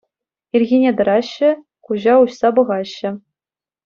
Ирхине тӑраҫҫӗ, куҫа уҫса пӑхаҫҫӗ.